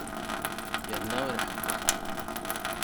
Yerna ur iḥebber.